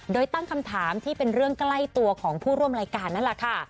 โดยตั้งคำถามที่เป็นเรื่องใกล้ตัวของผู้ร่วมรายการนั่นแหละค่ะ